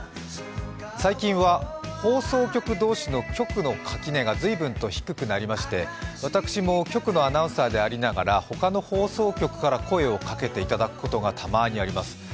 最近は放送局同士の曲の垣根が随分と低くなりまして私も局のアナウンサーでありながらほかの放送局から声をかけていただくことがたまにあります。